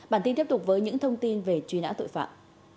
bản tin tiếp tục với những thông tin về truy nã tội phạm